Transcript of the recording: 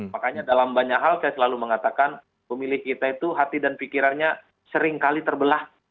makanya dalam banyak hal saya selalu mengatakan pemilih kita itu hati dan pikirannya seringkali terbelah